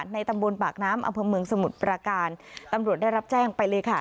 ในตำบลปากน้ำอำเภอเมืองสมุทรประการตำรวจได้รับแจ้งไปเลยค่ะ